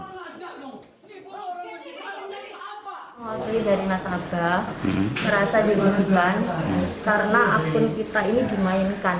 mengakui dari nasabah merasa digunakan karena akun kita ini dimainkan